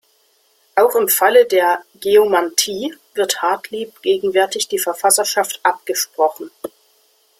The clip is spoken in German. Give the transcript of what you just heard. Auch im Falle der "Geomantie" wird Hartlieb gegenwärtig die Verfasserschaft abgesprochen.